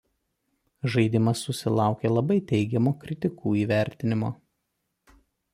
Žaidimas susilaukė labai teigiamo kritikų įvertinimo.